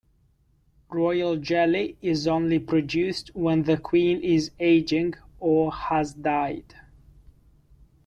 Royal jelly is only produced when the queen is aging or has died.